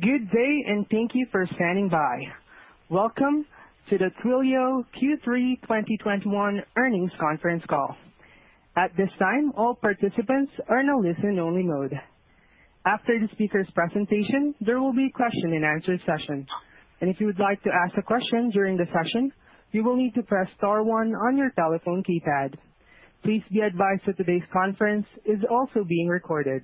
Good day, and thank you for standing by. Welcome to the Twilio Q3 2021 earnings conference call. At this time, all participants are in a listen-only mode. After the speaker's presentation, there will be a question and answer session. If you would like to ask a question during the session, you will need to press star one on your telephone keypad. Please be advised that today's conference is also being recorded.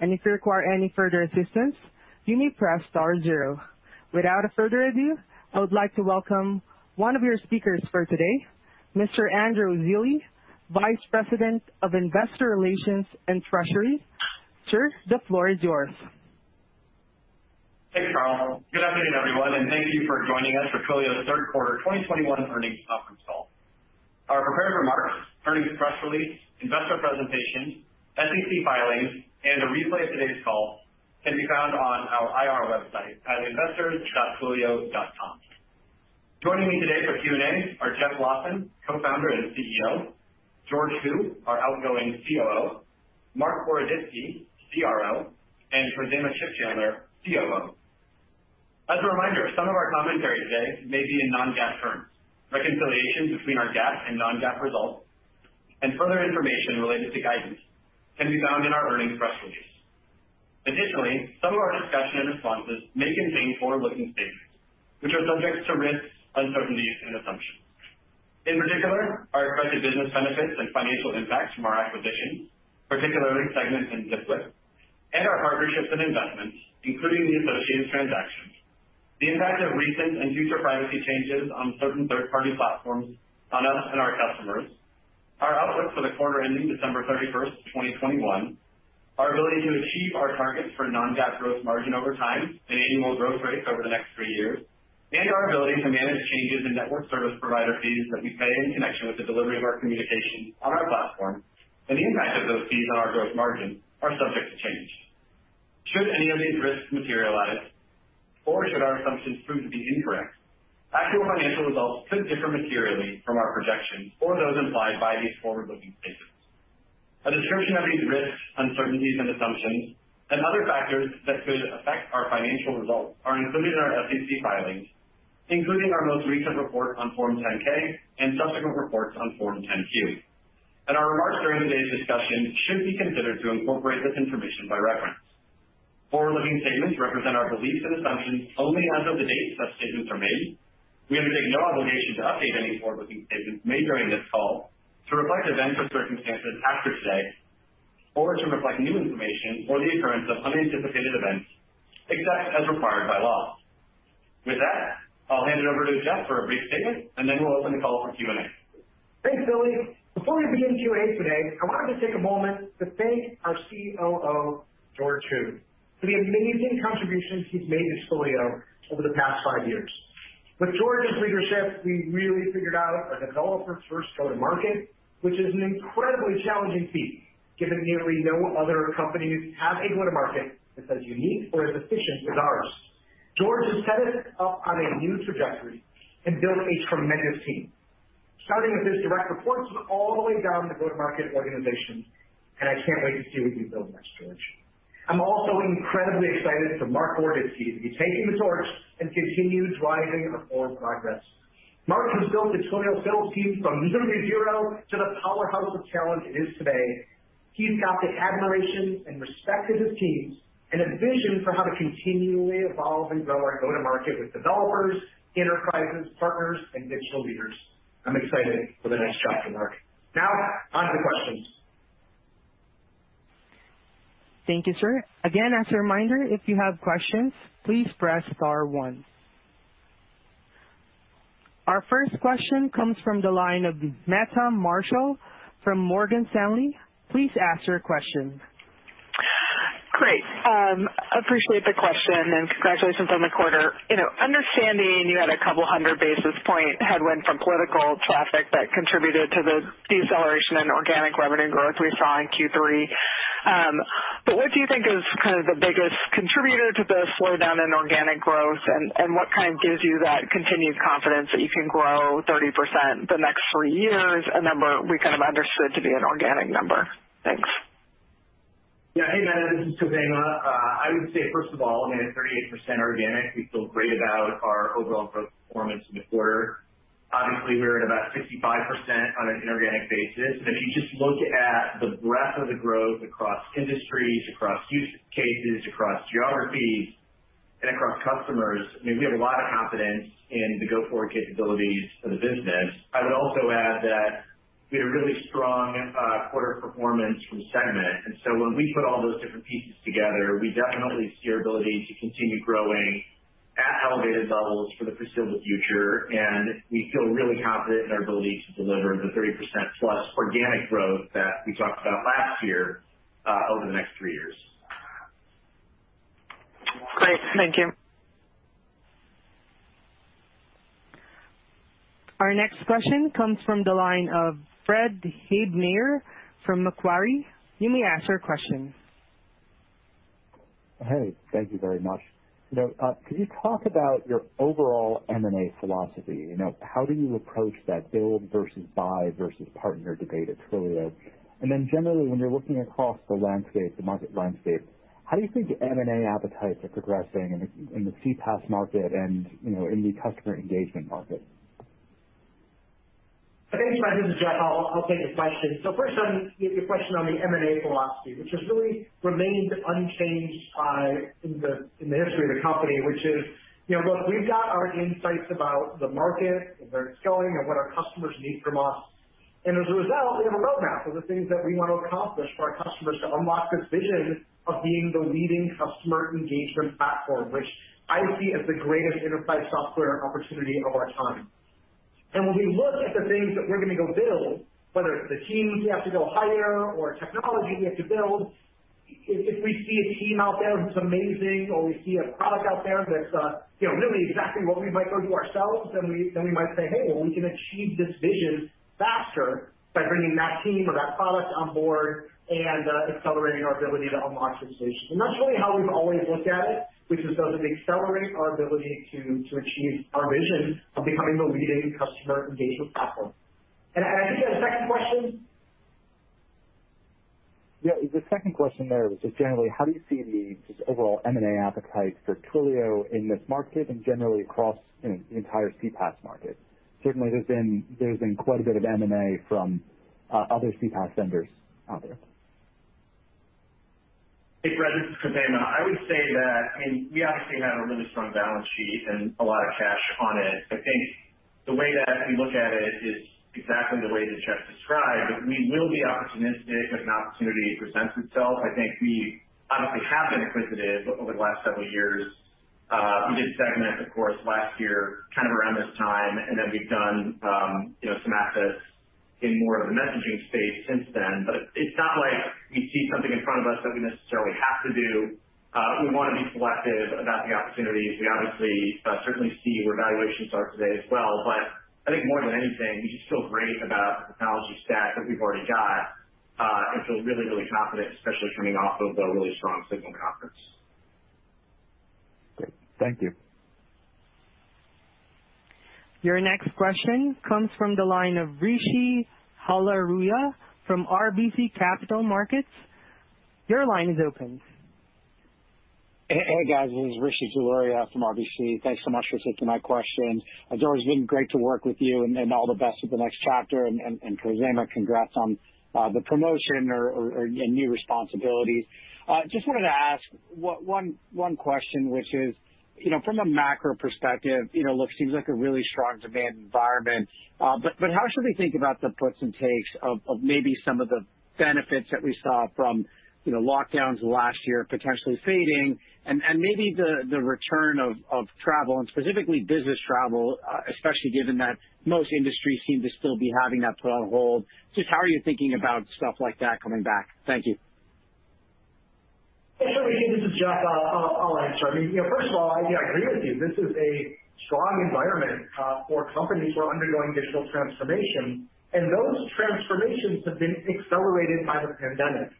If you require any further assistance, you may press star zero. Without further ado, I would like to welcome one of your speakers for today, Mr. Andrew Zilli, Vice President of Investor Relations and Treasury. Sir, the floor is yours. Thanks, Carl. Good afternoon, everyone, and thank you for joining us for Twilio's Q3 2021 earnings conference call. Our prepared remarks, earnings press release, investor presentation, SEC filings, and a replay of today's call can be found on our IR website at investors.twilio.com. Joining me today for Q&A are Jeff Lawson, Co-founder and CEO, George Hu, our outgoing COO, Marc Boroditsky, CRO, and Khozema Shipchandler, CFO. As a reminder, some of our commentary today may be in non-GAAP terms. Reconciliation between our GAAP and non-GAAP results and further information related to guidance can be found in our earnings press release. Additionally, some of our discussion and responses may contain forward-looking statements which are subject to risks, uncertainties, and assumptions. In particular, our accretive business benefits and financial impacts from our acquisitions, particularly Segment and Zipwhip, and our partnerships and investments, including the associated transactions, the impact of recent and future privacy changes on certain third-party platforms on us and our customers, our outlook for the quarter ending December 31, 2021, our ability to achieve our targets for non-GAAP gross margin over time and annual growth rates over the next three years, and our ability to manage changes in network service provider fees that we pay in connection with the delivery of our communication on our platform and the impact of those fees on our gross margin are subject to change. Should any of these risks materialize, or should our assumptions prove to be incorrect, actual financial results could differ materially from our projections or those implied by these forward-looking statements. A description of these risks, uncertainties, and assumptions and other factors that could affect our financial results are included in our SEC filings, including our most recent report on Form 10-K and subsequent reports on Form 10-Q. Our remarks during today's discussion should be considered to incorporate this information by reference. Forward-looking statements represent our beliefs and assumptions only as of the date such statements are made. We undertake no obligation to update any forward-looking statements made during this call to reflect events or circumstances after today or to reflect new information or the occurrence of unanticipated events, except as required by law. With that, I'll hand it over to Jeff for a brief statement, and then we'll open the call for Q&A. Thanks, Zilli. Before we begin Q&A today, I wanted to take a moment to thank our COO, George Hu, for the amazing contributions he's made to Twilio over the past five years. With George's leadership, we really figured out a developer-first go-to-market, which is an incredibly challenging feat, given nearly no other companies have a go-to-market that's as unique or as efficient as ours. George has set us up on a new trajectory and built a tremendous team, starting with his direct reports all the way down the go-to-market organization, and I can't wait to see what you build next, George. I'm also incredibly excited for Marc Boroditsky to be taking the torch and continue driving our forward progress. Marc has built the Twilio sales team from zero to hero to the powerhouse of talent it is today. He's got the admiration and respect of his teams and a vision for how to continually evolve and grow our go-to-market with developers, enterprises, partners, and digital leaders. I'm excited for the next chapter, Marc. Now on to the questions. Thank you, sir. Again, as a reminder, if you have questions, please press star one. Our first question comes from the line of Meta Marshall from Morgan Stanley. Please ask your question. Great. I appreciate the question and congratulations on the quarter. You know, I understand you had a couple hundred basis points headwind from political traffic that contributed to the deceleration in organic revenue growth we saw in Q3. What do you think is kind of the biggest contributor to the slowdown in organic growth and what kind of gives you that continued confidence that you can grow 30% the next three years, a number we kind of understood to be an organic number? Thanks. Yeah. Hey, Meta. This is Khozema. I would say, first of all, I mean, at 38% organic, we feel great about our overall growth performance in the quarter. Obviously, we're at about 65% on an inorganic basis. If you just look at the breadth of the growth across industries, across use cases, across geographies, and across customers, I mean, we have a lot of confidence in the go-forward capabilities for the business. I would also add that we had a really strong quarter performance from Segment. When we put all those different pieces together, we definitely see our ability to continue growing at elevated levels for the foreseeable future. We feel really confident in our ability to deliver the 30% plus organic growth that we talked about last year over the next three years. Great. Thank you. Our next question comes from the line of Fred Havemeyer from Macquarie. You may ask your question. Hey, thank you very much. You know, could you talk about your overall M&A philosophy? You know, how do you approach that build versus buy versus partner debate at Twilio? Generally, when you're looking across the landscape, the market landscape, how do you think M&A appetites are progressing in the CPaaS market and, you know, in the customer engagement market? Thanks, Fred. This is Jeff. I'll take the question. First on your question on the M&A philosophy, which has really remained unchanged, in the history of the company, which is, you know, look, we've got our insights about the market and where it's going and what our customers need from us. As a result, we have a roadmap of the things that we want to accomplish for our customers to unlock this vision of being the leading customer engagement platform, which I see as the greatest enterprise software opportunity of our time. When we look at the things that we're gonna go build, whether it's the teams we have to go hire or technology we have to build, if we see a team out there that's amazing, or we see a product out there that's, you know, really exactly what we might build ourselves, then we might say, "Hey, well, we can achieve this vision faster by bringing that team or that product on board and accelerating our ability to unlock this vision." That's really how we've always looked at it, which is, does it accelerate our ability to achieve our vision of becoming the leading customer engagement platform? I think you had a second question. Yeah. The second question there was just generally how do you see the overall M&A appetite for Twilio in this market and generally across, you know, the entire CPaaS market? Certainly there's been quite a bit of M&A from other CPaaS vendors out there. Hey, Fred, this is Shipchandler. I would say that, I mean, we obviously have a really strong balance sheet and a lot of cash on it. I think the way that we look at it is exactly the way that Jeff described, but we will be opportunistic if an opportunity presents itself. I think we obviously have been acquisitive over the last several years. We did Segment, of course, last year, kind of around this time, and then we've done you know, some assets in more of the messaging space since then. But it's not like we see something in front of us that we necessarily have to do. We wanna be selective about the opportunities. We obviously certainly see where valuations are today as well. I think more than anything, we just feel great about the technology stack that we've already got, and feel really confident, especially coming off of a really strong Signal conference. Great. Thank you. Your next question comes from the line of Rishi Jaluria from RBC Capital Markets. Your line is open. Hey, guys, this is Rishi Jaluria from RBC. Thanks so much for taking my questions. It's always been great to work with you, and all the best with the next chapter. Khozema Shipchandler, congrats on the promotion or new responsibilities. Just wanted to ask one question, which is, you know, from a macro perspective, you know, look, seems like a really strong demand environment. But how should we think about the puts and takes of maybe some of the benefits that we saw from, you know, lockdowns last year potentially fading and maybe the return of travel and specifically business travel, especially given that most industries seem to still be having that put on hold. Just how are you thinking about stuff like that coming back? Thank you. Sure, Rishi, this is Jeff. I'll answer. I mean, you know, first of all, I agree with you. This is a strong environment for companies who are undergoing digital transformation, and those transformations have been accelerated by the pandemic.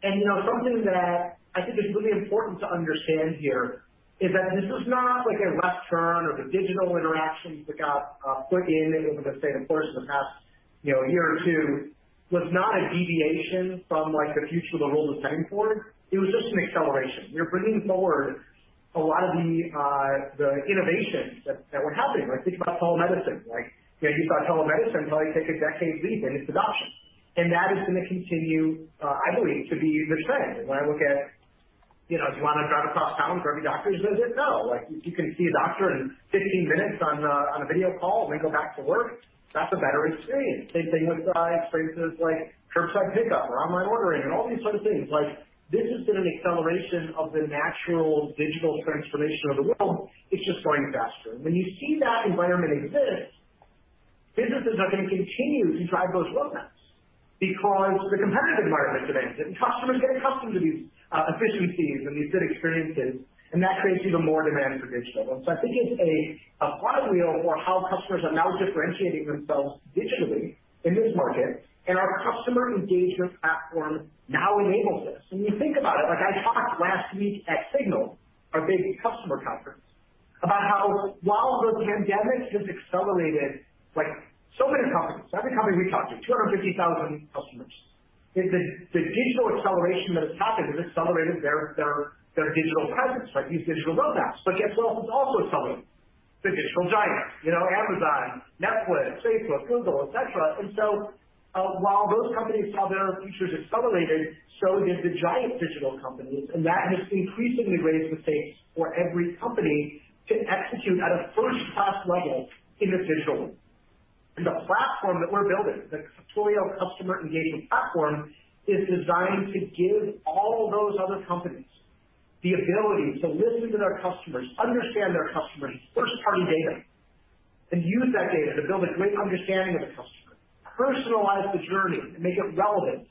You know, something that I think is really important to understand here is that this was not like a left turn or the digital interactions that got put in over the same course of the past year or two was not a deviation from, like, the future of the world was heading toward. It was just an acceleration. We're bringing forward a lot of the innovations that were happening, right? Think about telemedicine, right? You know, you thought telemedicine probably took a decade leap in its adoption. That is gonna continue, I believe, to be the trend. When I look at, you know, do you wanna drive across town for every doctor's visit? No. Like, if you can see a doctor in 15 minutes on a video call and then go back to work, that's a better experience. Same thing with spaces like curbside pickup or online ordering and all these sorts of things. Like, this has been an acceleration of the natural digital transformation of the world. It's just going faster. When you see that environment exist, businesses are gonna continue to drive those roadmaps because the competitive environment demands it, and customers get accustomed to these efficiencies and these good experiences, and that creates even more demand for digital. I think it's a positive wheel for how customers are now differentiating themselves digitally in this market, and our customer engagement platform now enables this. When you think about it, like I talked last week at Signal, our big customer conference, about how while the pandemic just accelerated like so many companies, every company we talked to, 250,000 customers, the digital acceleration that has happened has accelerated their digital presence, right? These digital roadmaps. It's also accelerated the digital giants, you know, Amazon, Netflix, Facebook, Google, et cetera. While those companies saw their futures accelerated, so did the giant digital companies. That has increasingly raised the stakes for every company to execute at a first-class level in the digital world. The platform that we're building, the Twilio Customer Engagement Platform, is designed to give all those other companies the ability to listen to their customers, understand their customers, first-party data, and use that data to build a great understanding of the customer, personalize the journey, and make it relevant,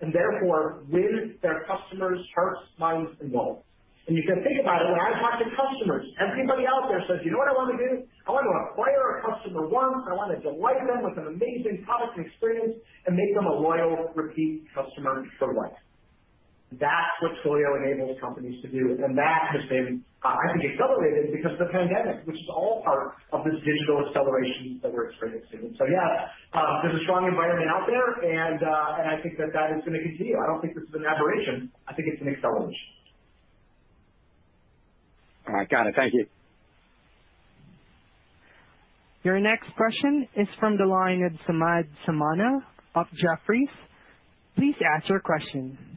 and therefore win their customers' hearts, minds, and wallets. You can think about it, when I talk to customers, everybody out there says, "You know what I wanna do? I wanna acquire a customer once. I wanna delight them with an amazing product and experience and make them a loyal, repeat customer for life. That's what Twilio enables companies to do, and that has been, I think, accelerated because of the pandemic, which is all part of this digital acceleration that we're experiencing. Yeah, there's a strong environment out there, and I think that is gonna continue. I don't think this is an aberration. I think it's an acceleration. All right. Got it. Thank you. Your next question is from the line of Samad Samana of Jefferies. Please ask your question.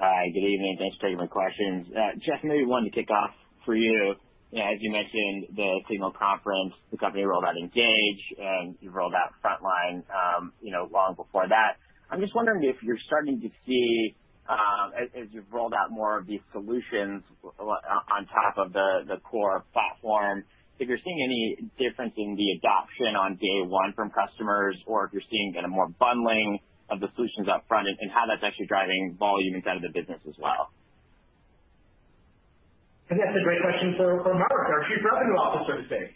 Hi. Good evening. Thanks for taking my questions. Jeff, maybe one to kick off for you. As you mentioned, the Signal conference, the company rolled out Engage, and you rolled out Frontline, you know, long before that. I'm just wondering if you're starting to see, as you've rolled out more of these solutions on top of the core platform, if you're seeing any difference in the adoption on day one from customers or if you're seeing kind of more bundling of the solutions up front and how that's actually driving volume inside of the business as well. I think that's a great question for Marc Boroditsky, our Chief Revenue Officer, to take.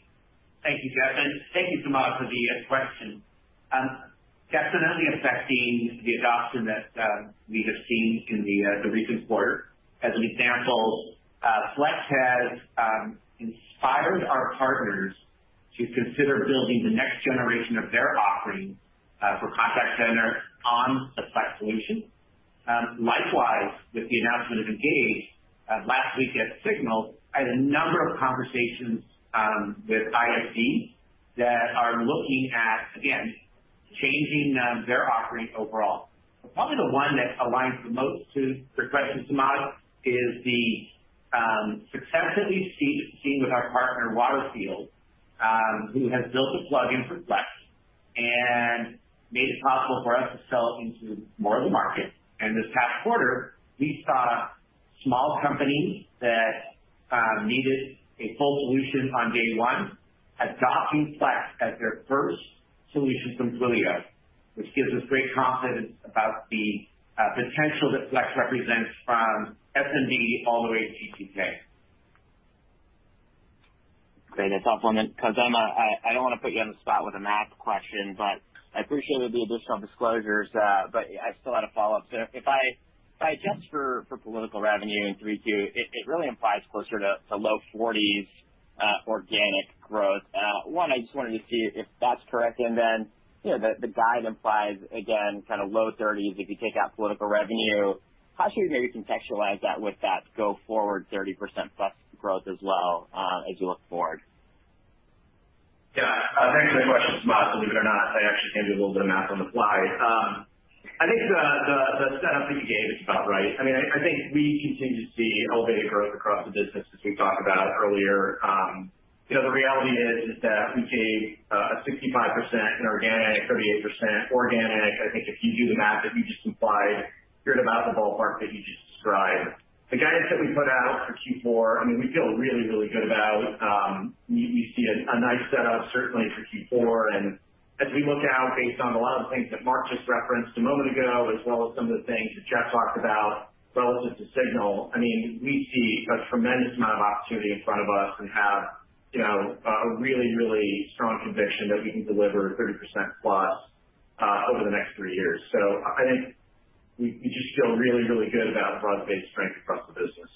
Thank you, Jeff, and thank you, Samad, for the question. Definitely affecting the adoption that we have seen in the recent quarter. As an example, Flex has inspired our partners to consider building the next generation of their offerings for contact center on the Flex solution. Likewise, with the announcement of Engage last week at Signal, I had a number of conversations with ISV that are looking at, again, changing their offering overall. Probably the one that aligns the most to your question, Samad, is the success that we've seen with our partner, Waterfield, who has built a plug-in for Flex and made it possible for us to sell into more of the market. This past quarter, we saw small companies that needed a full solution on day one adopting Flex as their first solution from Twilio, which gives us great confidence about the potential that Flex represents from SMB all the way to G2K. Great. To supplement, Khozema Shipchandler, I don't wanna put you on the spot with a math question, but I appreciated the additional disclosures, but I still had a follow-up. If I adjust for political revenue in Q3 2022, it really implies closer to low 40s% organic growth. I just wanted to see if that's correct. Then, you know, the guide implies, again, kind of low 30s% if you take out political revenue. How should we maybe contextualize that with that go forward 30%+ growth as well, as we look forward? Yeah. Thanks for the question, Samad. Believe it or not, I actually can do a little bit of math on the fly. I think the setup that you gave is about right. I mean, I think we continue to see elevated growth across the business as we talked about earlier. You know, the reality is that we gave a 65% inorganic, 38% organic. I think if you do the math that you just implied, you're at about the ballpark that you just described. The guidance that we put out for Q4, I mean, we feel really good about. You see a nice setup certainly for Q4. As we look out, based on a lot of the things that Marc just referenced a moment ago, as well as some of the things that Jeff talked about relative to Signal, I mean, we see a tremendous amount of opportunity in front of us and have, you know, a really, really strong conviction that we can deliver 30%+ over the next three years. I think we just feel really, really good about the broad-based strength across the business.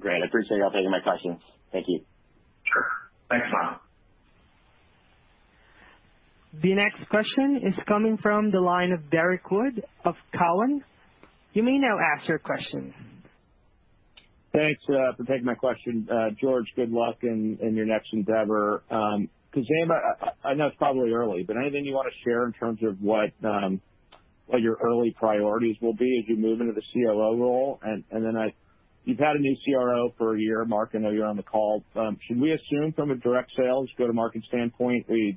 Great. I appreciate y'all taking my questions. Thank you. Sure. Thanks, Samad. The next question is coming from the line of Derrick Wood of Cowen. You may now ask your question. Thanks for taking my question. George, good luck in your next endeavor. Khozema, I know it's probably early, but anything you wanna share in terms of what your early priorities will be as you move into the CRO role? You've had a new CRO for a year. Marc, I know you're on the call. Should we assume from a direct sales go-to-market standpoint, we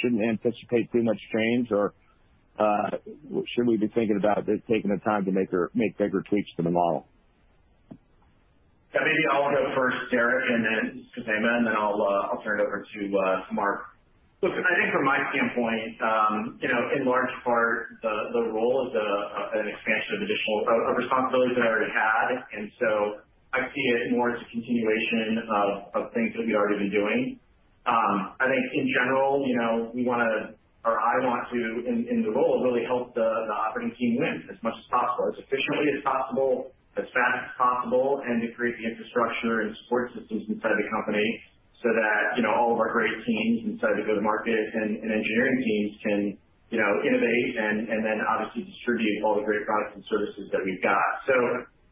shouldn't anticipate too much change? Or should we be thinking about taking the time to make bigger tweaks to the model? Yeah. Maybe I'll go first, Derek, and then Khozema, and then I'll turn it over to Marc. Look, I think from my standpoint, you know, in large part, the role is an expansion of additional responsibilities that I already had. I see it more as a continuation of things that we've already been doing. I think in general, you know, we wanna or I want to, in the role, really help the operating team win as much as possible, as efficiently as possible, as fast as possible, and to create the infrastructure and support systems inside the company so that, you know, all of our great teams inside the go-to-market and engineering teams can, you know, innovate and then obviously distribute all the great products and services that we've got.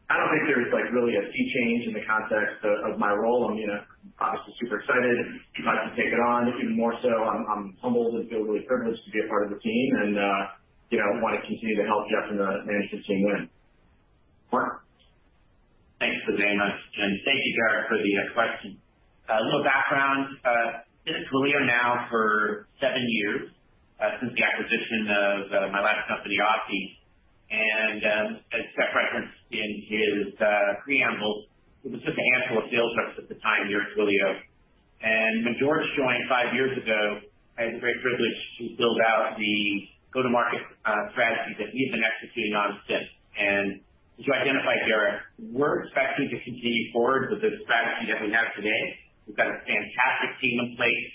I don't think there's, like, really a key change in the context of my role. I'm, you know, obviously super excited about to take it on even more so. I'm humbled and feel really privileged to be a part of the team and, you know, want to continue to help Jeff and the management team win. Marc? Thanks, Khozema, and thank you, Derrick, for the question. A little background. I've been at Twilio now for seven years, since the acquisition of my last company, Authy. As Jeff referenced in his preamble, it was just a handful of sales reps at the time here at Twilio. When George joined five years ago, I had the great privilege to build out the go-to-market strategy that we've been executing on since. As you identified, Derrick, we're expecting to continue forward with the strategy that we have today. We've got a fantastic team in place.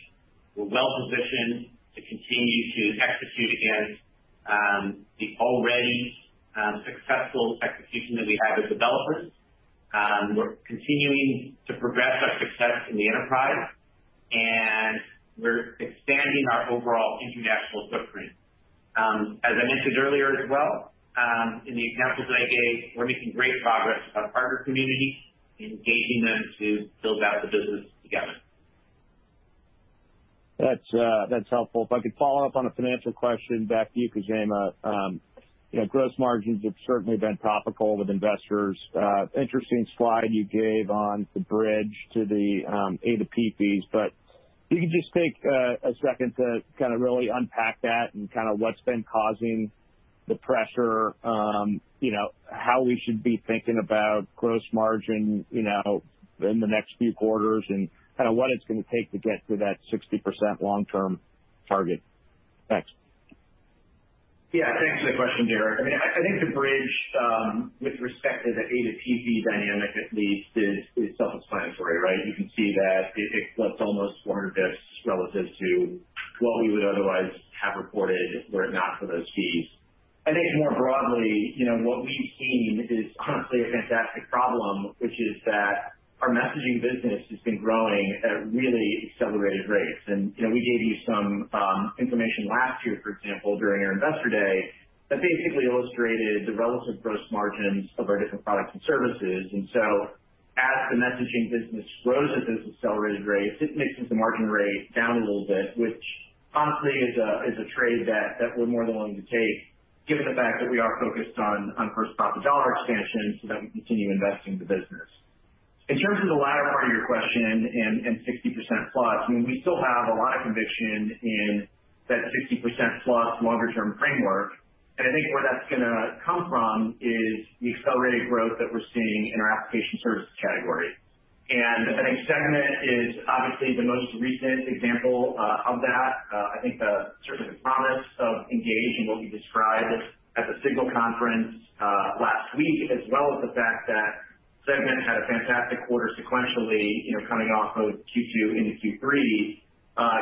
We're well positioned to continue to execute against the already successful execution that we have as developers. We're continuing to progress our success in the enterprise, and we're expanding our overall international footprint. As I mentioned earlier as well, in the examples that I gave, we're making great progress with our partner communities, engaging them to build out the business together. That's helpful. If I could follow up on a financial question back to you, Khozema. You know, gross margins have certainly been topical with investors. Interesting slide you gave on the bridge to the A2P fees, but if you could just take a second to kinda really unpack that and kinda what's been causing the pressure. You know, how we should be thinking about gross margin, you know, in the next few quarters and kinda what it's gonna take to get to that 60% long-term target. Thanks. Thanks for the question, Derek. I mean, I think the bridge with respect to the A2P fee dynamic at least is self-explanatory, right? You can see that it's almost 400 basis points relative to what we would otherwise have reported were it not for those fees. I think more broadly, you know, what we've seen is honestly a fantastic problem, which is that our messaging business has been growing at a really accelerated rate. You know, we gave you some information last year, for example, during our investor day, that basically illustrated the relative gross margins of our different products and services. As the messaging business grows at this accelerated rate, it mixes the margin rate down a little bit, which honestly is a trade that we're more than willing to take given the fact that we are focused on first dollar expansion so that we continue investing in the business. In terms of the latter part of your question and 60% plus, I mean, we still have a lot of conviction in that 60% plus longer term framework, and I think where that's gonna come from is the accelerated growth that we're seeing in our application services category. The next segment is obviously the most recent example of that. I think the sort of promise of Engage and what we described at the Signal conference last week, as well as the fact that Segment had a fantastic quarter sequentially, you know, coming off of Q2 into Q3,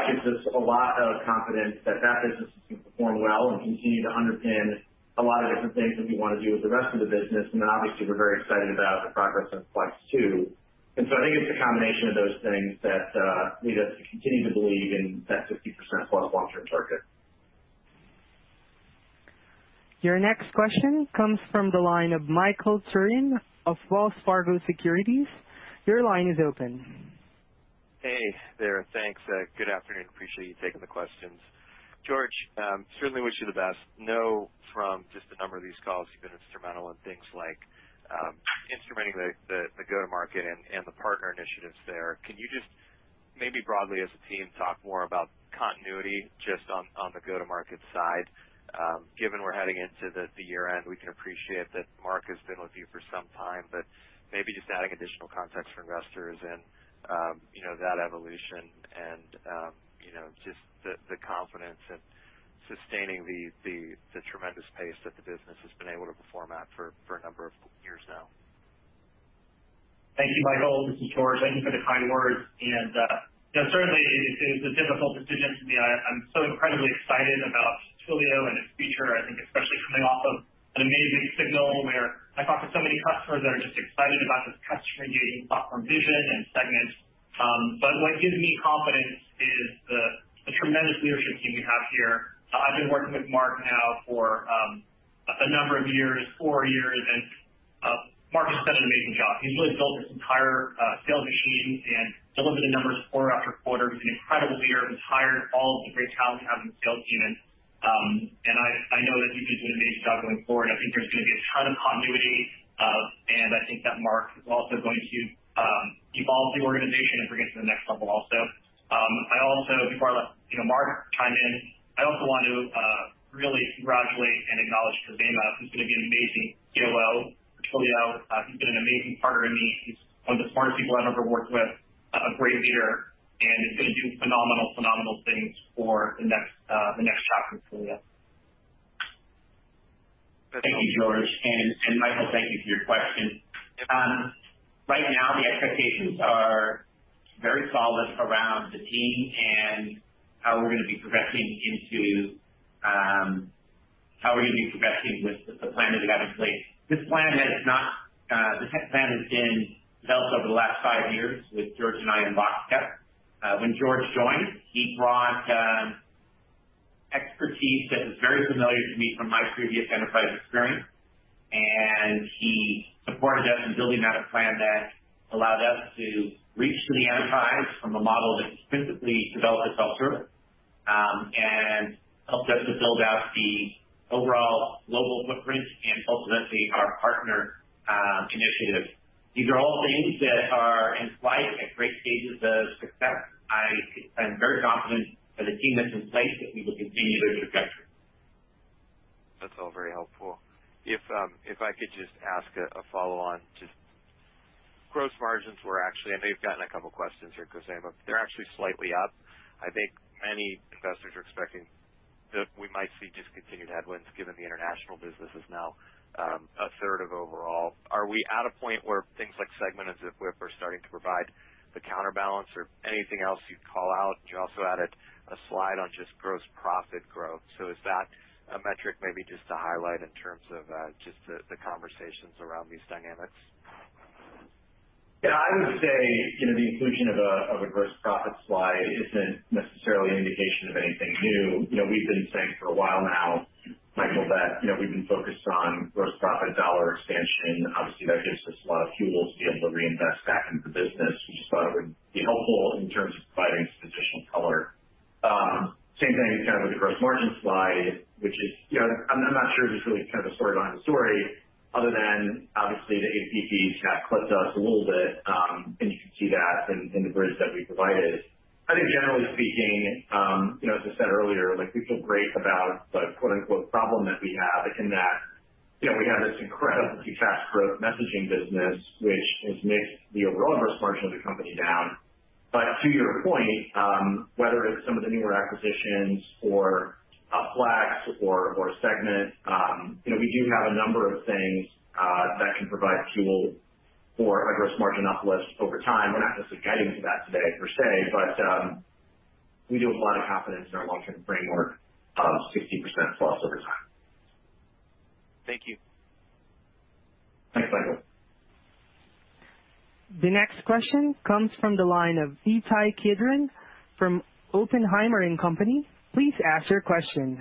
gives us a lot of confidence that that business is gonna perform well and continue to underpin a lot of different things that we wanna do with the rest of the business. Obviously, we're very excited about the progress of Flex too. I think it's a combination of those things that lead us to continue to believe in that 60%+ long-term target. Your next question comes from the line of Michael Turrin of Wells Fargo Securities. Your line is open. Hey there. Thanks. Good afternoon. Appreciate you taking the questions. George, certainly wish you the best. I know from just the number of these calls you've been instrumental in things like instrumenting the go-to-market and the partner initiatives there. Can you just maybe broadly as a team talk more about continuity just on the go-to-market side, given we're heading into the year-end? We can appreciate that Marc has been with you for some time, but maybe just adding additional context for investors and you know, that evolution and you know, just the confidence in sustaining the tremendous pace that the business has been able to perform at for a number of years now. Thank you, Michael. This is George. Thank you for the kind words. You know, certainly it is a difficult decision for me. I'm so incredibly excited about Twilio and its future. I think especially coming off of an amazing Signal where I talked to so many customers that are just excited about this customer-engaging platform vision and Segment. But what gives me confidence is the tremendous leadership team we have here. I've been working with Marc now for a number of years, four years, and Marc has done an amazing job. He's really built this entire sales machine and delivered the numbers quarter-after-quarter. He's an incredible leader. He's hired all of the great talent we have in the sales team. I know that he's gonna do an amazing job going forward. I think there's gonna be a ton of continuity. I think that Mark is also going to evolve the organization as we get to the next level also. I also, before I let you know, Mark chime in, I also want to really congratulate and acknowledge Khozema, who's gonna be an amazing COO for Twilio. He's been an amazing partner to me. He's one of the smartest people I've ever worked with, a great leader, and is gonna do phenomenal things for the next chapter of Twilio. Thank you, George. Michael, thank you for your question. Right now the expectations are very solid around the team and how we're gonna be progressing with the plan that we have in place. This plan has been developed over the last five years with George and I in lockstep. When George joined, he brought expertise that was very familiar to me from my previous enterprise experience, and he supported us in building out a plan that allowed us to reach to the enterprise from a model that specifically developed at self-service, and helped us to build out the overall global footprint and ultimately our partner initiative. These are all things that are in flight at great stages of success. I am very confident that the team that's in place, that we will continue those progressions. That's all very helpful. If I could just ask a follow-on, gross margins were actually—I know you've gotten a couple questions here, Khozema. They're actually slightly up. I think many investors are expecting that we might see discontinued headwinds given the international business is now a third of overall. Are we at a point where things like Segment and Zipwhip are starting to provide the counterbalance or anything else you'd call out? You also added a slide on just gross profit growth. So is that a metric maybe just to highlight in terms of just the conversations around these dynamics? Yeah, I would say, you know, the inclusion of a gross profit slide isn't necessarily an indication of anything new. You know, we've been saying for a while now, Michael, that, you know, we've been focused on gross profit dollar expansion. Obviously, that gives us a lot of fuel to be able to reinvest back into the business. We just thought it would be helpful in terms of providing some additional color. Same thing kind of with the gross margin slide. You know, I'm not sure there's really kind of a storyline to the story other than obviously the A2P kind of clipped us a little bit, and you can see that in the bridge that we provided. I think generally speaking, you know, as I said earlier, like, we feel great about the quote-unquote problem that we have in that, you know, we have this incredibly fast growth messaging business, which has mixed the overall gross margin of the company down. To your point, whether it's some of the newer acquisitions or Flex or Segment, you know, we do have a number of things that can provide fuel for a gross margin uplift over time. We're not necessarily guiding to that today per se, but we do have a lot of confidence in our long-term framework of 60%+ over time. Thank you. Thanks, Michael. The next question comes from the line of Ittai Kidron from Oppenheimer & Co. Please ask your question.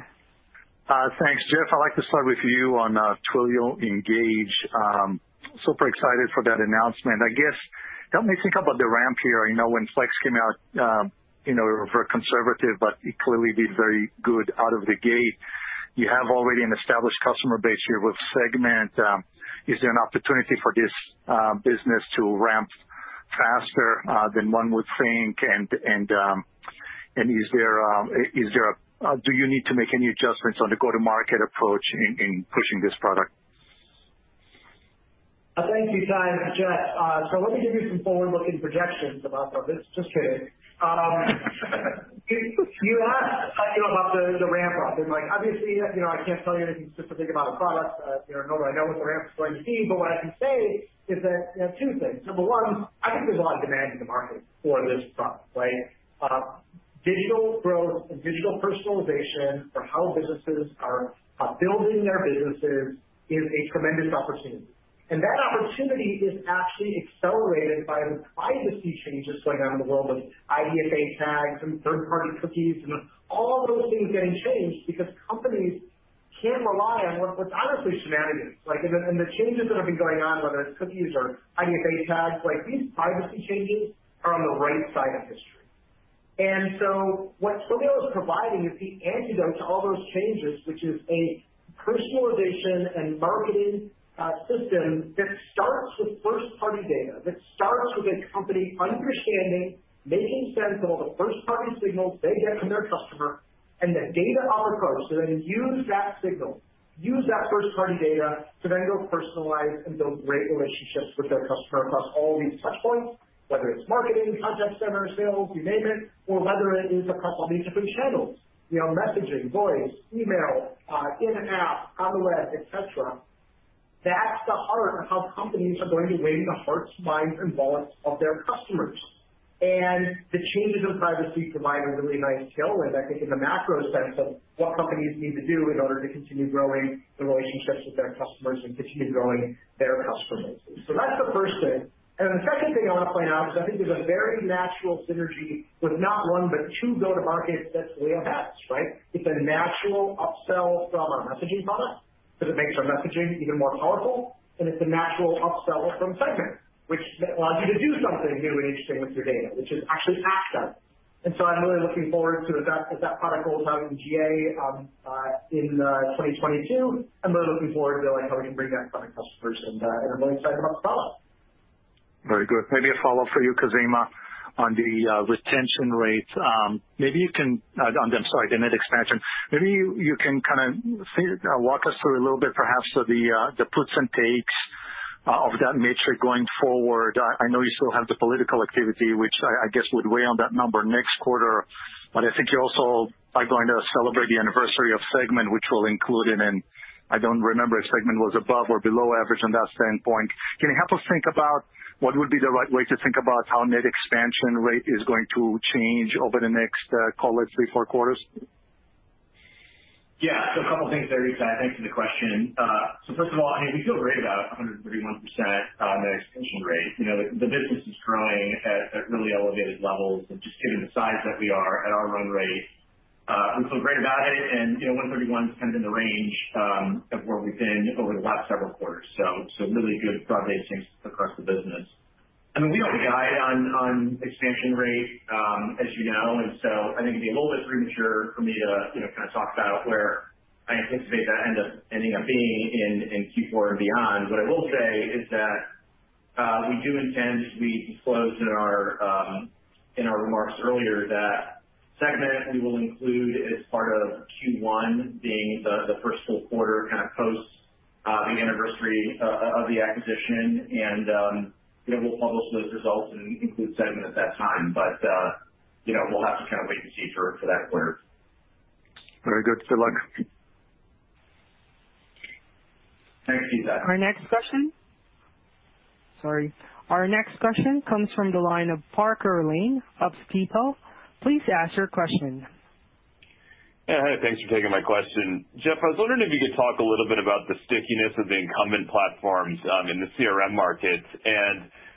Thanks, Jeff. I'd like to start with you on Twilio Engage. Super excited for that announcement. I guess help me think about the ramp here. I know when Flex came out, you know, you were conservative, but it clearly did very good out of the gate. You have already an established customer base here with Segment. Is there an opportunity for this business to ramp faster than one would think? Is there, do you need to make any adjustments on the go-to-market approach in pushing this product? Thank you, Ittai. It's Jeff. So let me give you some forward-looking projections about the business. Just kidding. You asked, you know, about the ramp-up. Like, obviously, you know, I can't tell you anything specific about a product. You know, nor would I know what the ramp is going to be. But what I can say is that, you know, two things. Number one, I think there's a lot of demand in the market for this product, right? Digital growth and digital personalization for how businesses are building their businesses is a tremendous opportunity. That opportunity is actually accelerated by the privacy changes going on in the world with IDFA tags and third-party cookies and all those things getting changed because companies can't rely on what's honestly shenanigans. The changes that have been going on, whether it's cookies or IDFA tags, like these privacy changes are on the right side of history. What Twilio is providing is the antidote to all those changes, which is a personalization and marketing system that starts with first-party data, that starts with a company understanding, making sense of all the first-party signals they get from their customer, and then data-driven approach. They use that signal, use that first-party data to then go personalize and build great relationships with their customer across all these touch points, whether it's marketing, contact center, sales, you name it, or whether it is across all these different channels, you know, messaging, voice, email, in an app, on the web, et cetera. That's the heart of how companies are going to win the hearts, minds, and wallets of their customers. The changes in privacy provide a really nice tailwind, I think, in the macro sense of what companies need to do in order to continue growing the relationships with their customers and continue growing their customer bases. That's the first thing. The second thing I want to point out is I think there's a very natural synergy with not one, but two go-to-markets that Twilio has, right? It's a natural upsell from our messaging product because it makes our messaging even more powerful, and it's a natural upsell from Segment, which allows you to do something new and interesting with your data, which is actually ask them. I'm really looking forward to as that product goes out in GA in 2022. I'm really looking forward to learning how we can bring that to customers and I'm really excited about the follow-up. Very good. Maybe a follow-up for you, Khozema, on the net expansion. Maybe you can kind of walk us through a little bit perhaps of the puts and takes of that metric going forward. I know you still have the political activity, which I guess would weigh on that number next quarter. I think you also are going to celebrate the anniversary of Segment, which will include it in. I don't remember if Segment was above or below average on that standpoint. Can you help us think about what would be the right way to think about how net expansion rate is going to change over the next call it three, four quarters? Yeah. A couple things there, Ittai. Thanks for the question. First of all, I mean, we feel great about 131%, net expansion rate. You know, the business is growing at really elevated levels. Just given the size that we are at our run rate, we feel great about it. You know, 131's kind of in the range of where we've been over the last several quarters. Really good broad-based strengths across the business. I mean, we don't guide on expansion rate, as you know. I think it'd be a little bit premature for me to, you know, kind of talk about where I anticipate that end up being in Q4 and beyond. What I will say is that we do intend. We noted in our remarks earlier that Segment we will include as part of Q1 being the first full quarter kind of post the anniversary of the acquisition. You know, we'll publish those results and include Segment at that time. You know, we'll have to kind of wait and see for that quarter. Very good. Good luck. Thanks, Ittai. Our next question comes from the line of Parker Lane of Stifel. Please ask your question. Yeah. Hi, thanks for taking my question. Jeff, I was wondering if you could talk a little bit about the stickiness of the incumbent platforms in the CRM markets.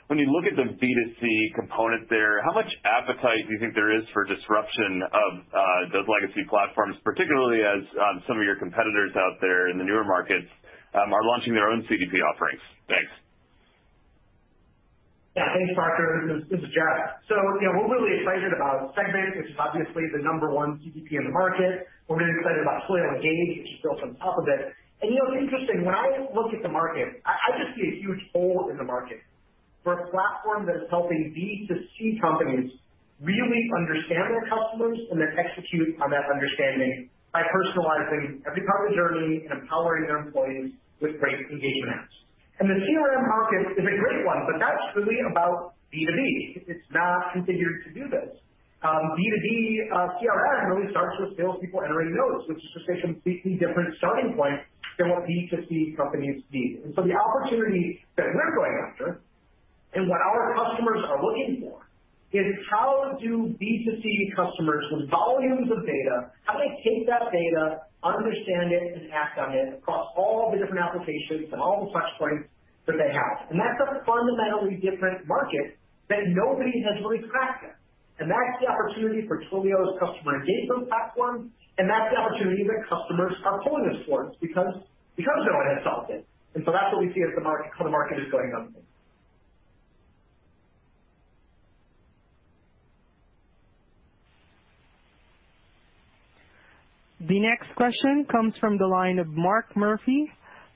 When you look at the B2C component there, how much appetite do you think there is for disruption of those legacy platforms, particularly as some of your competitors out there in the newer markets are launching their own CDP offerings? Thanks. Yeah. Thanks, Parker. This is Jeff. You know, we're really excited about Segment, which is obviously the number one CDP in the market. We're really excited about Twilio Engage, which is built on top of it. You know what's interesting? When I look at the market, I just see a huge hole in the market for a platform that is helping B2C companies really understand their customers and then execute on that understanding by personalizing every customer journey and empowering their employees with great engagement apps. The CRM market is a great one, but that's really about B2B. It's not configured to do this. B2B CRM really starts with salespeople entering notes, which is just a completely different starting point than what B2C companies need. The opportunity that we're going after and what our customers are looking for is how do B2C customers with volumes of data, how do they take that data, understand it, and act on it across all the different applications and all the touch points that they have? That's a fundamentally different market that nobody has really cracked yet. That's the opportunity for Twilio's Customer Engagement Platform, and that's the opportunity that customers are pulling us towards because they don't have something. That's what we see as the market, how the market is going. The next question comes from the line of Mark Murphy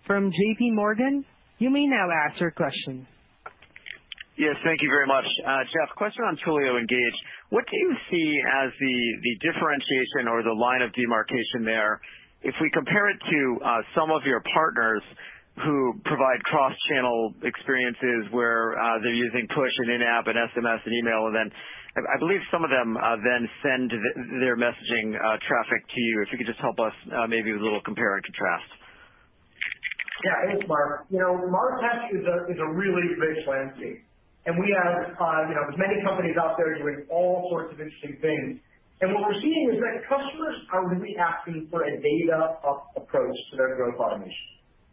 from JPMorgan. You may now ask your question. Yes, thank you very much. Jeff, question on Twilio Engage. What do you see as the differentiation or the line of demarcation there if we compare it to some of your partners who provide cross-channel experiences where they're using push and in-app and SMS and email, and then I believe some of them then send their messaging traffic to you. If you could just help us maybe with a little compare and contrast. Yeah. Thanks, Marc. You know, MarTech is a really rich landscape, and we have, you know, there are many companies out there doing all sorts of interesting things. What we're seeing is that customers are really asking for a data-first approach to their growth automation,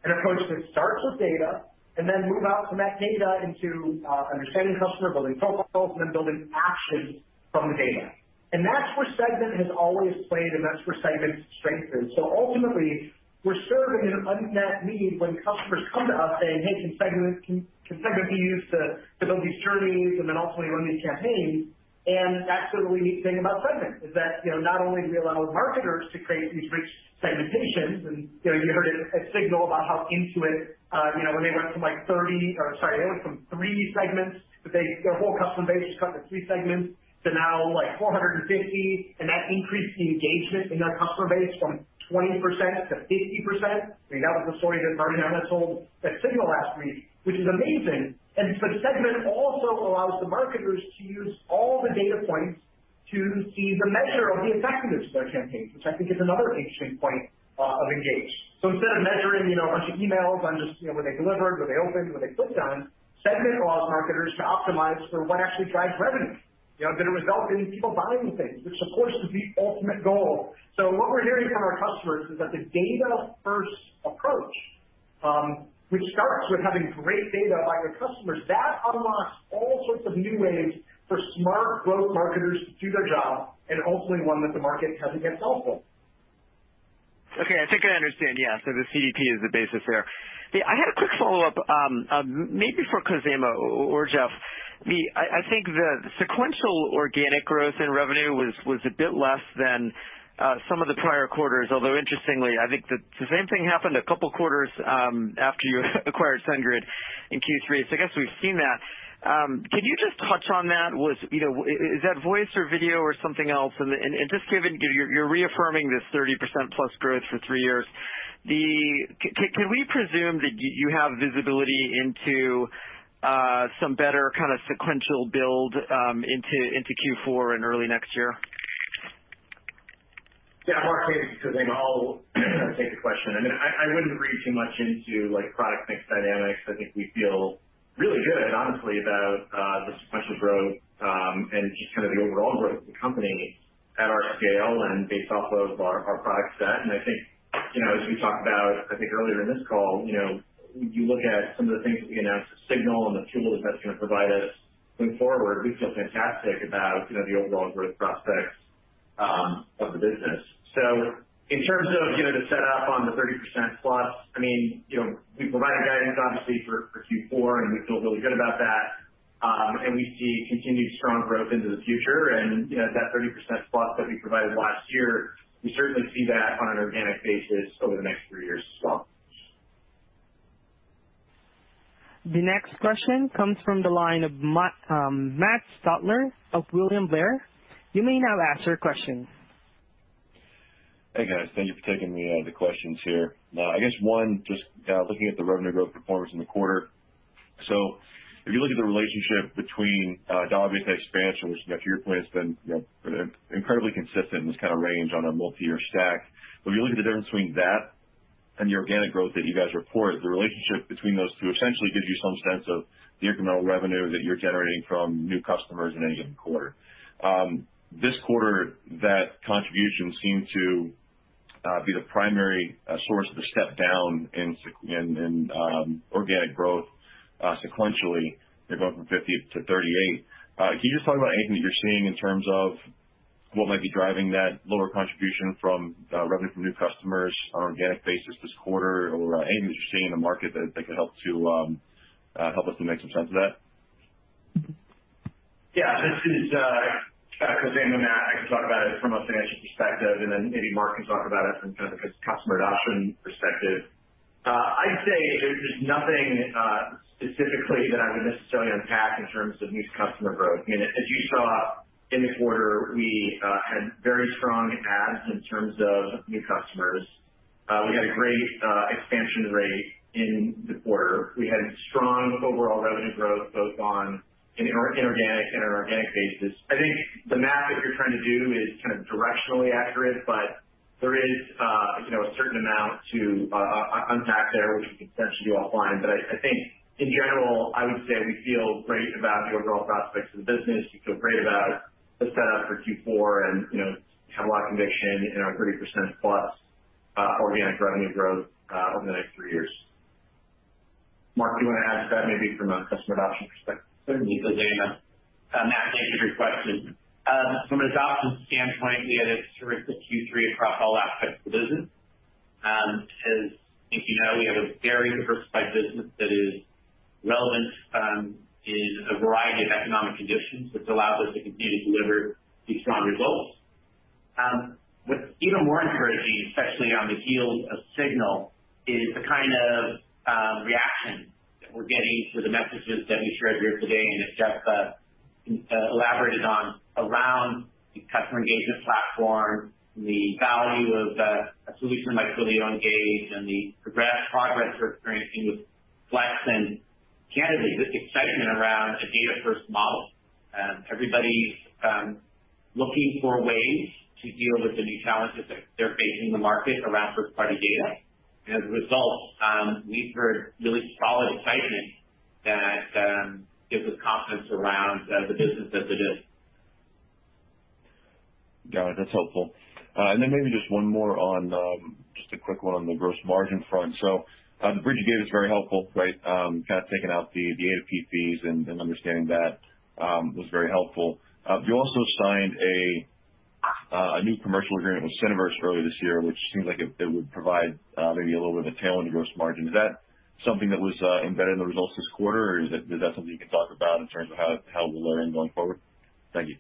an approach that starts with data and then moves out from that data into understanding customer, building profiles, and then building action from the data. That's where Segment has always played, and that's where Segment's strength is. Ultimately, we're serving an unmet need when customers come to us saying, "Hey, can Segment be used to build these journeys and then ultimately run these campaigns?" That's the really neat thing about Segment, is that, you know, not only do we allow marketers to create these rich segmentations, and, you know, you heard at Signal about how Intuit, you know, when they went from three segments, but their whole customer base was cut into three segments to now, like, 450, and that increased the engagement in their customer base from 20% to 50%. I mean, that was the story that Ferdinand had told at Signal last week, which is amazing. Segment also allows the marketers to use all the data points to see the measure of the effectiveness of their campaigns, which I think is another interesting point of Engage. Instead of measuring, you know, a bunch of emails on just, you know, were they delivered, were they opened, were they clicked on, Segment allows marketers to optimize for what actually drives revenue, you know, that'll result in people buying things, which, of course, is the ultimate goal. What we're hearing from our customers is that the data-first approach, which starts with having great data about your customers, that unlocks all sorts of new ways for smart growth marketers to do their job and ultimately one that the market hasn't yet solved for. Okay. I think I understand. Yeah. The CDP is the basis there. Yeah, I had a quick follow-up, maybe for Khozema or Jeff. I think the sequential organic growth in revenue was a bit less than some of the prior quarters, although interestingly, I think the same thing happened a couple quarters after you acquired SendGrid in Q3, so I guess we've seen that. Can you just touch on that? Was, you know, is that voice or video or something else? Just given you're reaffirming this 30%+ growth for three years, can we presume that you have visibility into some better kind of sequential build into Q4 and early next year? Yeah, Mark, maybe to Khozema, I'll take the question. I mean, I wouldn't read too much into, like, product mix dynamics. I think we feel really good honestly about the sequential growth and just kind of the overall growth of the company at our scale and based off of our product set. I think, you know, as we talked about, I think earlier in this call, you know, you look at some of the things that we announced at Signal and the tools that that's gonna provide us going forward, we feel fantastic about, you know, the overall growth prospects of the business. In terms of, you know, the set up on the 30% plus, I mean, you know, we provided guidance obviously for Q4, and we feel really good about that. We see continued strong growth into the future. You know, that 30%+ that we provided last year, we certainly see that on an organic basis over the next three years as well. The next question comes from the line of Matt Stotler of William Blair. You may now ask your question. Hey, guys. Thank you for taking the questions here. I guess one, just looking at the revenue growth performance in the quarter. If you look at the relationship between DBNER expansion, which to your point has been, you know, incredibly consistent in this kind of range on a multiyear stack. If you look at the difference between that and the organic growth that you guys report, the relationship between those two essentially gives you some sense of the incremental revenue that you're generating from new customers in any given quarter. This quarter, that contribution seemed to be the primary source of the step down in organic growth sequentially, you know, going from 50% to 38%. Can you just talk about anything you're seeing in terms of what might be driving that lower contribution from revenue from new customers on an organic basis this quarter or anything that you're seeing in the market that could help us to make some sense of that? Yeah. This is Khozema. Karl, I can talk about it from a financial perspective, and then maybe Marc can talk about it from kind of a customer adoption perspective. I'd say there's nothing specifically that I would necessarily unpack in terms of new customer growth. I mean, as you saw in the quarter, we had very strong adds in terms of new customers. We had a great expansion rate in the quarter. We had strong overall revenue growth both on an organic and inorganic basis. I think the math that you're trying to do is kind of directionally accurate, but there is, you know, a certain amount to unpack there, which we can certainly do offline. I think in general, I would say we feel great about the overall prospects of the business. We feel great about the setup for Q4 and, you know, have a lot of conviction in our 30%+ organic revenue growth over the next three years. Marc, do you want to add to that maybe from a customer adoption perspective? Certainly. Khozema Shipchandler, Karl answered your question. From an adoption standpoint, we had a terrific Q3 across all aspects of the business. As I think you know, we have a very diversified business that is relevant in a variety of economic conditions, which allows us to continue to deliver these strong results. What's even more encouraging, especially on the heels of Signal, is the kind of reaction that we're getting to the messages that we shared here today and that Jeff Lawson elaborated on around the Customer Engagement Platform, the value of a solution like Twilio Engage and the progress we're experiencing with Flex and candidly just excitement around a data-first model. Everybody's looking for ways to deal with the new challenges that they're facing in the market around first-party data. As a result, we've heard really solid excitement that gives us confidence around the business as it is. Got it. That's helpful. Maybe just one more on just a quick one on the gross margin front. The bridge you gave is very helpful, right? Kind of taking out the A2P fees and understanding that was very helpful. You also signed a new commercial agreement with Syniverse earlier this year, which seems like it would provide maybe a little bit of a tail in the gross margin. Is that something that was embedded in the results this quarter, or is that something you can talk about in terms of how it will land going forward? Thank you.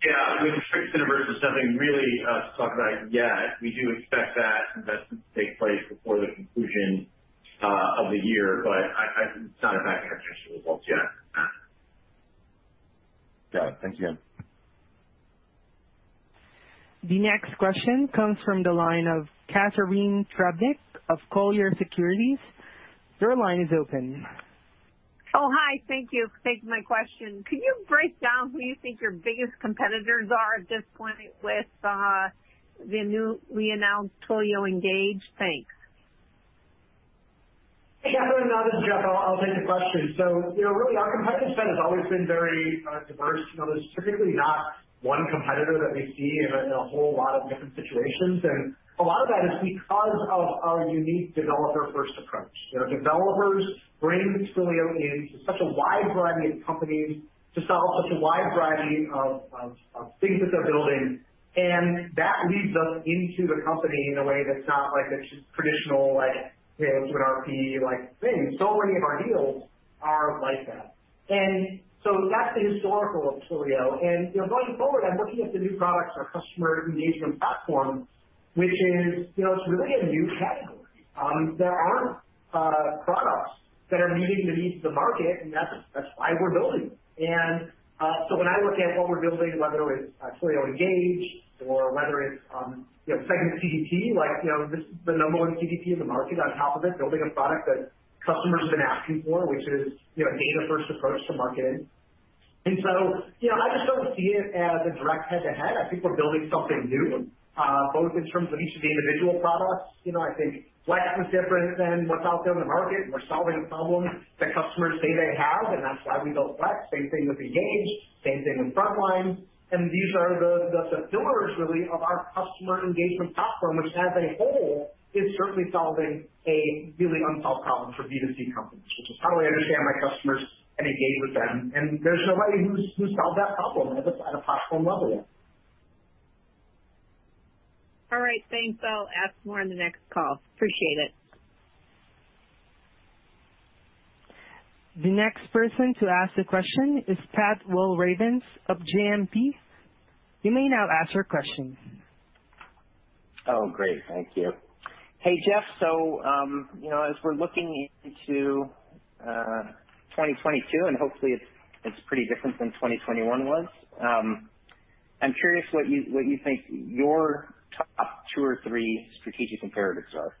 Yeah. I mean, the trade with Syniverse is nothing really to talk about yet. We do expect that investment to take place before the conclusion of the year, but it's not impacting our financial results yet. Got it. Thank you again. The next question comes from the line of Catharine Trebnick of Colliers Securities. Your line is open. Oh, hi. Thank you for taking my question. Can you break down who you think your biggest competitors are at this point with the new reannounced Twilio Engage? Thanks. Hey, Catharine, this is Jeff. I'll take the question. You know, really our competitive set has always been very diverse. You know, there's typically not one competitor that we see in a whole lot of different situations, and a lot of that is because of our unique developer-first approach. You know, developers bring Twilio into such a wide variety of companies to solve such a wide variety of things that they're building. That leads us into the company in a way that's not like this traditional like, you know, through an RFP-like thing. Many of our deals are like that. That's the history of Twilio. You know, going forward and looking at the new products, our Customer Engagement Platform, which is, you know, it's really a new category. There aren't products that are meeting the needs of the market, and that's why we're building them. So when I look at what we're building, whether it's Twilio Engage or whether it's, you know, Segment CDP, like, you know, this is the number one CDP in the market. On top of it, building a product that customers have been asking for, which is, you know, a data-first approach to marketing. So, you know, I just don't see it as a direct head-to-head. I think we're building something new, both in terms of each of the individual products. You know, I think Flex was different than what's out there in the market, and we're solving a problem that customers say they have, and that's why we built Flex. Same thing with Engage, same thing with Frontline. These are the pillars really of our customer engagement platform, which as a whole is certainly solving a really unsolved problem for B2C companies, which is how do I understand my customers and engage with them? There's nobody who's solved that problem at a platform level yet. All right. Thanks. I'll ask more on the next call. Appreciate it. The next person to ask the question is Pat Walravens of JMP. You may now ask your question. Oh, great. Thank you. Hey, Jeff. You know, as we're looking into 2022, and hopefully it's pretty different than 2021 was, I'm curious what you think your top two or three strategic imperatives are?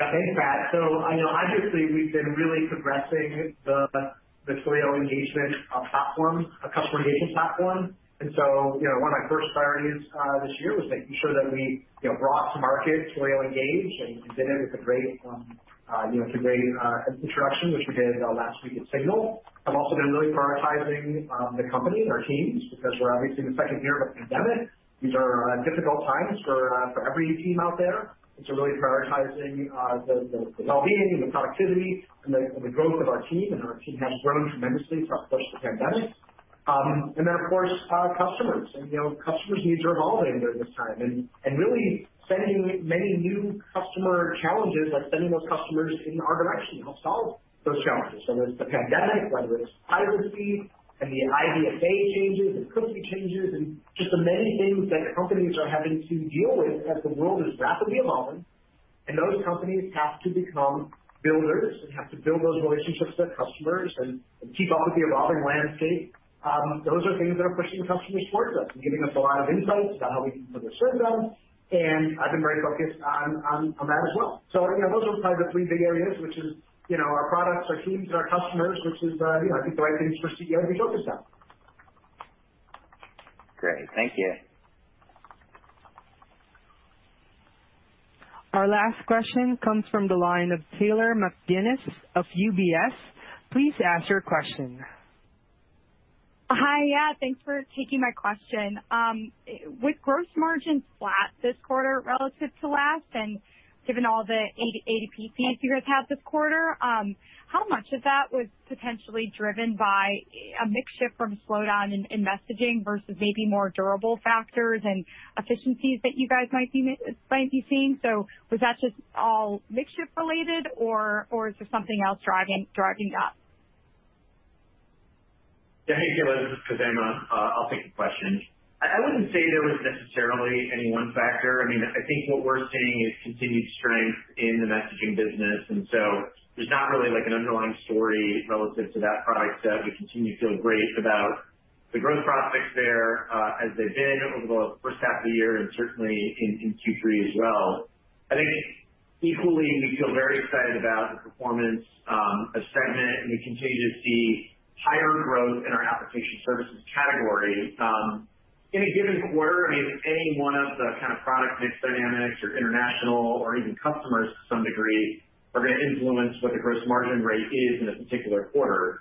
Yeah. Thanks, Matt. I know obviously we've been really progressing the Twilio Engagement Platform, a customer engagement platform. You know, one of my first priorities this year was making sure that we you know, brought to market Twilio Engage and did it with a great introduction, which we did last week at Signal. I've also been really prioritizing the company and our teams because we're obviously in the second year of a pandemic. These are difficult times for every team out there. Really prioritizing the wellbeing and the productivity and the growth of our team. Our team has grown tremendously throughout the course of the pandemic. Of course, our customers and you know, customers' needs are evolving during this time. Really sending many new customer challenges, like sending those customers in our direction, helps solve those challenges, whether it's the pandemic, whether it's privacy and the IDFA changes and cookie changes, and just the many things that companies are having to deal with as the world is rapidly evolving. Those companies have to become builders and have to build those relationships with their customers and keep up with the evolving landscape. Those are things that are pushing the customers towards us and giving us a lot of insights about how we can further serve them, and I've been very focused on that as well. You know, those are probably the three big areas, which is, you know, our products, our teams, and our customers, which is, you know, I think the right things for a CEO to be focused on. Great. Thank you. Our last question comes from the line of Taylor McGinnis of UBS. Please ask your question. Hi. Yeah, thanks for taking my question. With gross margins flat this quarter relative to last, and given all the acquisitions you guys had this quarter, how much of that was potentially driven by a mix shift from slowdown in messaging versus maybe more durable factors and efficiencies that you guys might be seeing? Was that just all mix shift related or is there something else driving that? Yeah. Hey, Taylor, this is Khozema. I'll take the question. I wouldn't say there was necessarily any one factor. I mean, I think what we're seeing is continued strength in the messaging business, and so there's not really like an underlying story relative to that product set. We continue to feel great about the growth prospects there, as they've been over the first half of the year and certainly in Q3 as well. I think equally we feel very excited about the performance of Segment, and we continue to see higher growth in our application services category. In a given quarter, I mean, any one of the kind of product mix dynamics or international or even customers to some degree are gonna influence what the gross margin rate is in a particular quarter.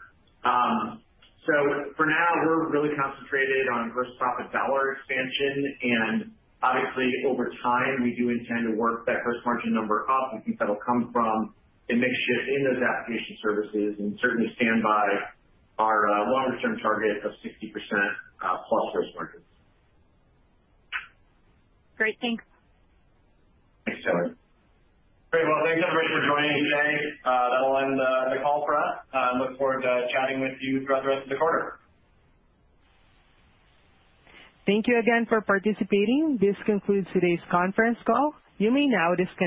For now, we're really concentrated on gross profit dollar expansion, and obviously, over time, we do intend to work that gross margin number up. We think that'll come from a mix shift in those application services and certainly stand by our longer term target of 60% plus gross margins. Great. Thanks. Thanks, Taylor. Great. Well, thanks, everybody, for joining today. That'll end the call for us. Look forward to chatting with you throughout the rest of the quarter. Thank you again for participating. This concludes today's conference call. You may now disconnect.